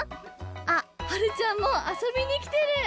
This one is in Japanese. あっはるちゃんもあそびにきてる！